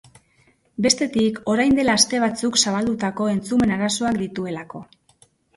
Bestetik, orain dela aste batzuk zabaldutako entzumen arazoak dituelako.